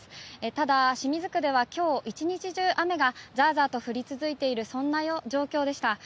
ただ、清水区では今日１日中雨がザーザーと降り続いているそんな状況でした。